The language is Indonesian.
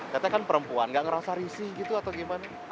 katanya kan perempuan tidak merasa risih gitu atau bagaimana